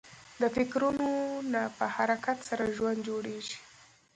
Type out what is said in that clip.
د فکرو نه په حرکت سره ژوند جوړېږي.